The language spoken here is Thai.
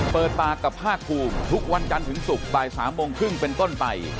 เปิดปากกับภาคภูมิทุกวันจันทร์ถึงศุกร์บ่าย๓โมงครึ่งเป็นต้นไป